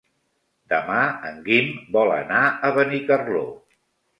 Demà en Guim vol anar a Benicarló.